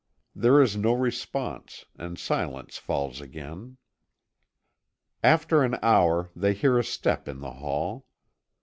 There is no response, and silence falls again. After an hour they hear a step in the hall.